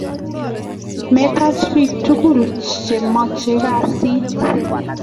Mitech bik tukul che mache kasit